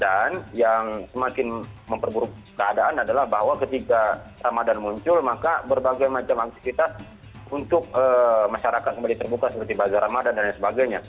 dan yang semakin memperburukkan keadaan bahwa ketika ramadhan muncul maka berbagai macam aktivitas untuk masyarakat kembali terbuka seperti tudo ramadhan dan lain sebagainya